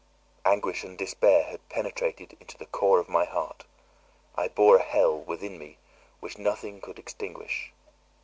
Anguish and despair had penetrated into the core of my heart; I bore a hell within me which nothing could extinguish.